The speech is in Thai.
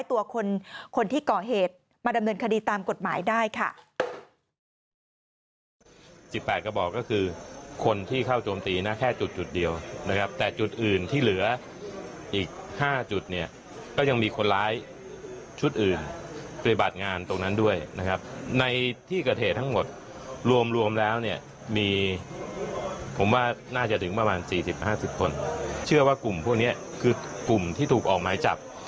ตัวคนที่ก่อเหตุมาดำเนินคดีตามกฎหมายได้ค่ะ